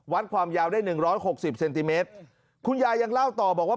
วัดความยาวได้๑๖๐เซนติเมตรคุณยายยังเล่าต่อบอกว่า